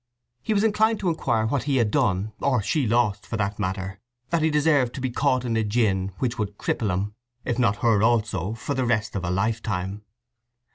He was inclined to inquire what he had done, or she lost, for that matter, that he deserved to be caught in a gin which would cripple him, if not her also, for the rest of a lifetime?